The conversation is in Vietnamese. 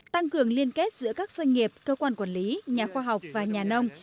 tăng cường liên kết giữa các doanh nghiệp cơ quan quản lý nhà khoa học và nhà nông